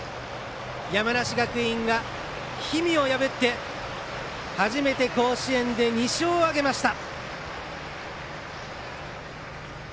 山梨学院が氷見を破って初めて甲子園で２勝を挙げました。